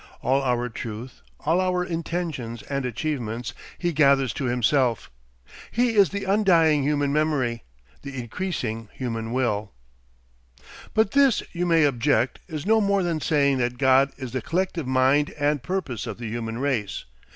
All our truth, all our intentions and achievements, he gathers to himself. He is the undying human memory, the increasing human will. But this, you may object, is no more than saying that God is the collective mind and purpose of the human race.